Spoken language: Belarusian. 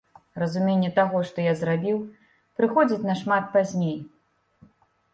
Разуменне таго, што я зрабіў, прыходзіць нашмат пазней.